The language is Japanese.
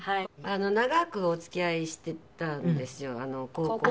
長くお付き合いしてたんですよ高校の同級生なんで。